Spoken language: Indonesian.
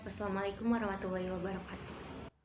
wassalamualaikum warahmatullahi wabarakatuh